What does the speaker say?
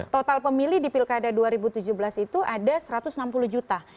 total pemilih di pilkada dua ribu tujuh belas itu ada satu ratus enam puluh juta